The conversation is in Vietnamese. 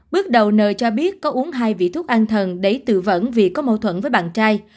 bước đầu n cho biết có uống hai vỉ thuốc an thần để tự vẫn vì có mâu thuẫn với bạn trai